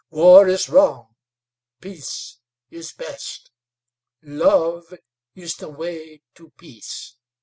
War is wrong; peace is best. Love is the way to peace.